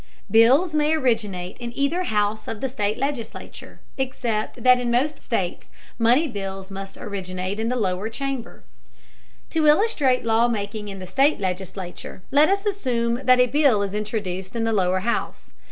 Bills may originate in either house of the state legislature, except that in most states money bills must originate in the lower chamber. To illustrate law making in the state legislature, let us assume that a bill is introduced in the lower house.